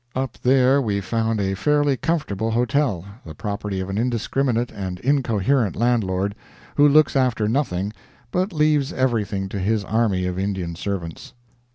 Up there we found a fairly comfortable hotel, the property of an indiscriminate and incoherent landlord, who looks after nothing, but leaves everything to his army of Indian servants.